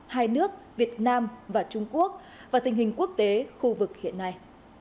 hai nước việt nam và trung quốc và tình hình quốc tế khu vực hiện nay